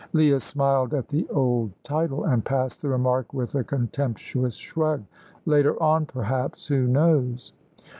Leah smiled at the old title, and passed the remark with a contemptuous shrug. "Later on, perhaps who knows?"